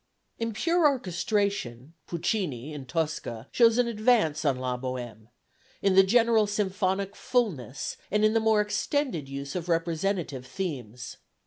In pure orchestration, Puccini in Tosca shows an advance on La Bohème, in the general symphonic fulness and in the more extended use of representative themes.